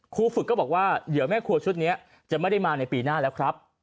ครูฝึกก็บอกว่าเดี๋ยวแม่ครัวชุดนี้จะไม่ได้มาในปีหน้าแล้วครับ